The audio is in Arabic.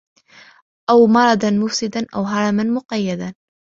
أَوْ مَرَضًا مُفْسِدًا أَوْ هَرَمًا مُقَيِّدًا